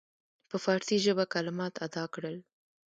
په فارسي ژبه کلمات ادا کړل.